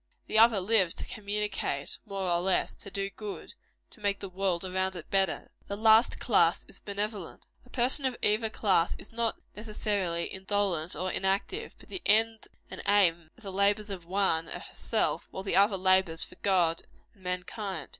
The other lives to communicate, more or less to do good to make the world around it better. The last class is benevolent. A person of either class is not necessarily indolent or inactive; but the end and aim of the labors of one, are herself; while the other labors for God and mankind.